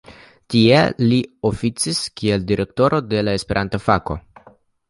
Tie li oficis kiel direktoro de la Esperanto-fako.